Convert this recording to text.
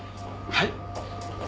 はい。